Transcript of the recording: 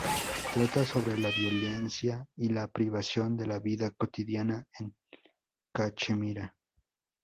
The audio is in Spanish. Trata sobre la violencia y la privación de la vida cotidiana en Cachemira.